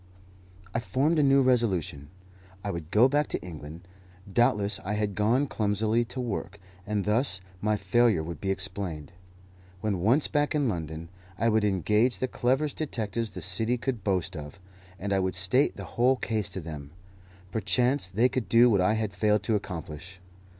I formed a new resolution. I would go back to England. Doubtless I had gone clumsily to work, and thus my failure would be explained. When once back in London, I would engage the cleverest detectives the city could boast of, and I would state the whole case to them. Perchance they could do what I had failed to accomplish.